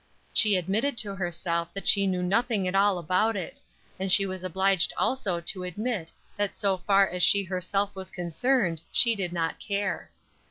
She admitted to herself that she knew nothing at all about it; and she was obliged also to admit that so far as she herself was concerned she did not care.